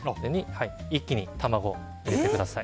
一気に卵を入れてください。